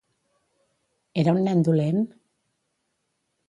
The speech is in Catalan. Era un nen dolent?